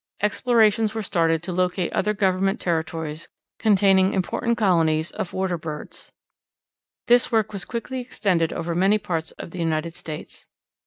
Explorations were started to locate other Government territories containing important colonies of water birds. This work was quickly extended over many parts of the United States.